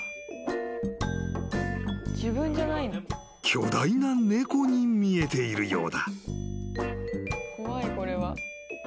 ［巨大な猫に見えているようだ］